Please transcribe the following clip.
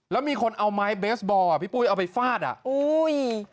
แล้วมีคนเอาไม้เบสบอลอ่ะพี่ปุ้ยเอาไปฟาดอ่ะอุ้ย